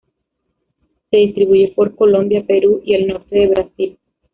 Se distribuye por Colombia, Perú y el norte de Brasil.